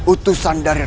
utusan dari